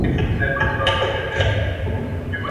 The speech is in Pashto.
دغه نرمغالی دونه تېز دی چي په یو وار کار کوي.